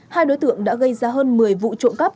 hai đối tượng đã gây ra hơn một mươi vụ trộm cắp